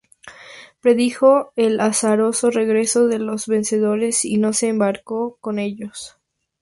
Predijo el azaroso regreso de los vencedores, y no se embarcó con ellos.